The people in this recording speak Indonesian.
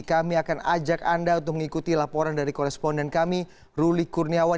kami akan ajak anda untuk mengikuti laporan dari koresponden kami ruli kurniawan